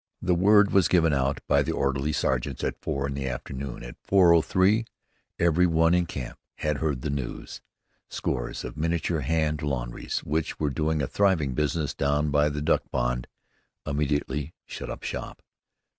The word was given out by the orderly sergeants at four in the afternoon. At 4.03 every one in camp had heard the news. Scores of miniature hand laundries, which were doing a thriving business down by the duck pond, immediately shut up shop.